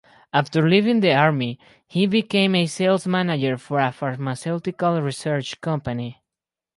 After leaving the army, he became a sales manager for a pharmaceutical research company.